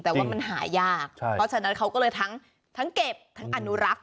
แต่ว่ามันหายากเพราะฉะนั้นเขาก็เลยทั้งเก็บทั้งอนุรักษ์